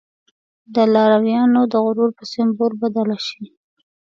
د لارويانو د غرور په سمبول بدله شي.